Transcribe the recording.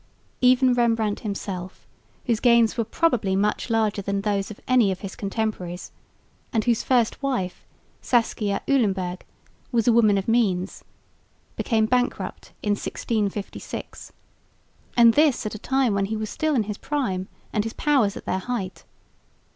Even Rembrandt himself, whose gains were probably much larger than those of any of his contemporaries, and whose first wife, Saskia Uilenburg, was a woman of means, became bankrupt in 1656, and this at a time when he was still in his prime, and his powers at their height.